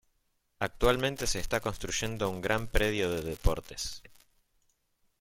Actualmente se está construyendo un gran predio de deportes.